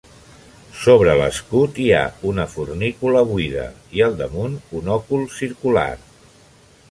Sobre l'escut hi ha una fornícula buida, i al damunt, un òcul circular.